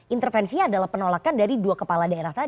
intervensi adalah penolakan dari dua kepala daerah lain